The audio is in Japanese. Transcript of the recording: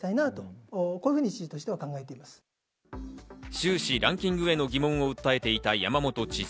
終始ランキングへの疑問を訴えていた山本知事。